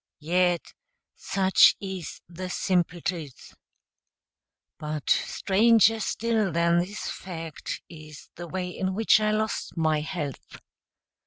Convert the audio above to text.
yet such is the simple truth. But stranger still than this fact is the way in which I lost my health.